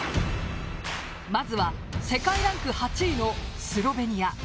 まずは、世界ランク８位のスロベニア。